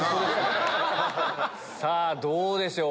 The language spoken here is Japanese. さぁどうでしょう？